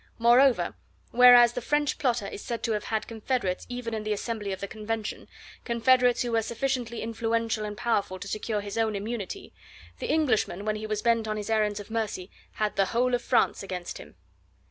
Moreover, whereas the French plotter is said to have had confederates even in the Assembly of the Convention, confederates who were sufficiently influential and powerful to secure his own immunity, the Englishman when he was bent on his errands of mercy had the whole of France against him.